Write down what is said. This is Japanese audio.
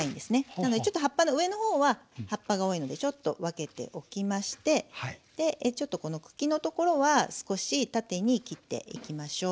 なのでちょっと葉っぱの上の方は葉っぱが多いのでちょっと分けておきましてでちょっとこの茎のところは少し縦に切っていきましょう。